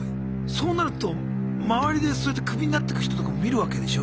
そうなると周りでそうやってクビになってく人とかも見るわけでしょ